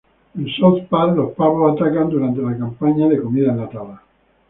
En South Park los pavos atacan durante la campaña de comida enlatada.